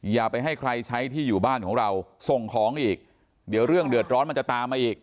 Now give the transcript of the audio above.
อย่าไปให้ใครใช้ที่อยู่บ้านของเราส่งของอีกเดี๋ยวเรื่องเดือดร้อนมันจะตามมาอีก